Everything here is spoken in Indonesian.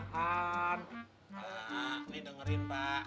pak nih dengerin pak